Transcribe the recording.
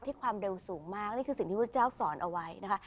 ความเร็วสูงมากนี่คือสิ่งที่พระเจ้าสอนเอาไว้นะคะ